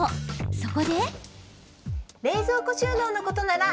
そこで。